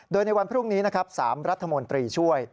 โดยในวันพรุ่งนี้นะครับ๓รัฐมนตรีช่วย